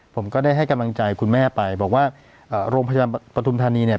ผมก็ได้ให้กำลังใจคุณแม่ไปบอกว่าโรงพยาบาลปฐุมธานีเนี่ย